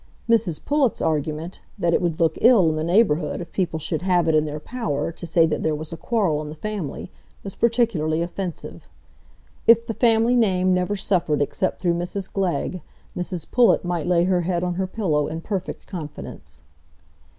Mrs Pullet's argument, that it would look ill in the neighbourhood if people should have it in their power to say that there was a quarrel in the family, was particularly offensive. If the family name never suffered except through Mrs Glegg, Mrs Pullet might lay her head on her pillow in perfect confidence.